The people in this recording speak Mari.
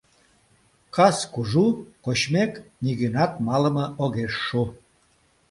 Кас кужу, кочмек, нигӧнат малыме огеш шу.